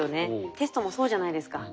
テストもそうじゃないですか。